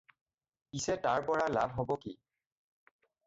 পিচে তাৰ পৰা লাভ হ'ব কি?